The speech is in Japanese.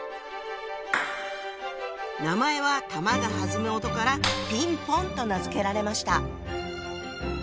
名前は球が弾む音から「ピンポン」と名付けられました。